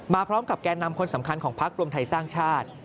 พร้อมกับแก่นำคนสำคัญของพักรวมไทยสร้างชาติ